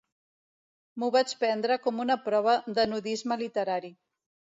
M'ho vaig prendre com una prova de nudisme literari.